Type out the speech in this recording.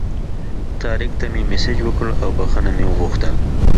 طارق ته مې مسیج وکړ او بخښنه مې وغوښته.